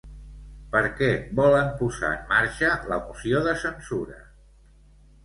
Per què volen posar en marxa la moció de censura?